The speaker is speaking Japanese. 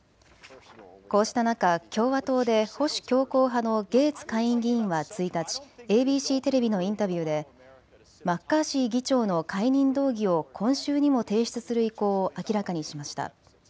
こうした中、共和党で保守強硬派のゲーツ下院議員は１日、ＡＢＣテレビのインタビューでマッカーシー議長の解任動議を今週にも提出する意向を明らかにしました。